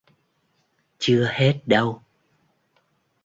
Chưa hết đâu